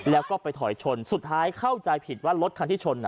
แล้วก็ไปถอยชนสุดท้ายเข้าใจผิดว่ารถคันที่ชน